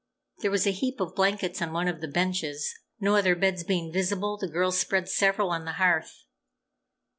There was a heap of blankets on one of the benches. No other beds being visible, the girls spread several on the hearth.